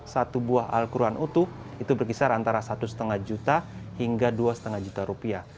satu buah al quran utuh itu berkisar antara satu lima juta hingga dua lima juta rupiah